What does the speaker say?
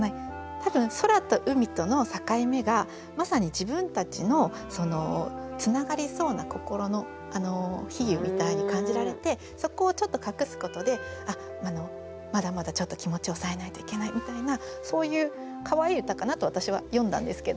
多分空と海との境目がまさに自分たちのつながりそうな心の比喩みたいに感じられてそこをちょっと隠すことでまだまだちょっと気持ちを抑えないといけないみたいなそういうかわいい歌かなと私は読んだんですけど。